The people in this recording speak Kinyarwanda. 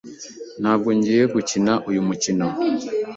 Ntabwo ngiye gukina uyu mukino.